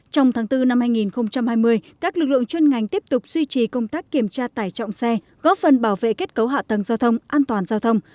trong tháng bốn năm hai nghìn hai mươi các lực lượng chuyên ngành tiếp tục duy trì công tác kiểm tra tải trọng xe góp phần bảo vệ kết cấu hạ tầng giao thông an toàn giao thông